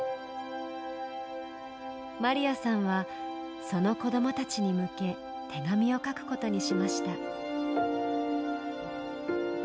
まりやさんはその子どもたちに向け手紙を書くことにしました。